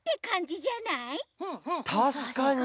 たしかに。